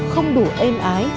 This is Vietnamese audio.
không đủ êm ái